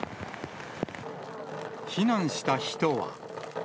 避難した人は。